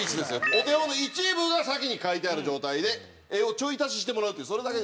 お手本の一部が先に描いてある状態で絵をちょい足ししてもらうっていうそれだけです。